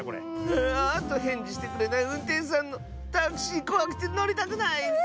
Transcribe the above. あとへんじしてくれないうんてんしゅさんのタクシーこわくてのりたくないッス！